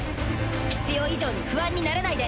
必要以上に不安にならないで。